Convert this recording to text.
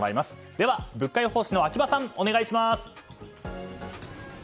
では物価予報士の秋葉さんお願いします。